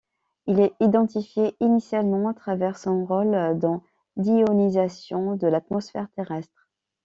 Il est identifié initialement à travers son rôle dans l'ionisation de l'atmosphère terrestre.